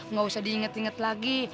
nggak usah diinget inget lagi